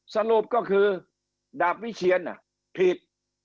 สรุปก็คือดาบวิเชียนผิด